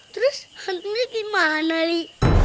terus hantunya gimana li